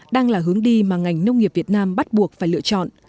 đang là hướng đi mà ngành nông nghiệp việt nam bắt buộc phải lựa chọn